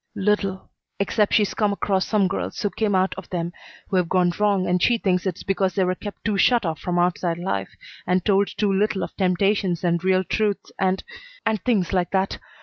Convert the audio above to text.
"Little, except she's come across some girls who came out of them who have gone wrong, and she thinks it's because they were kept too shut off from outside life, and told too little of temptations and real truths and and things like that.